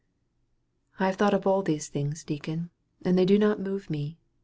"I have thought of all these things, deacon, but they do not move me.